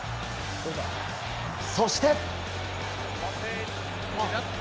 そして。